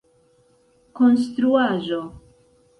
konstruaĵo